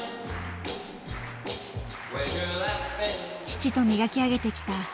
父と磨き上げてきた